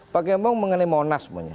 pak gembong mengenai monas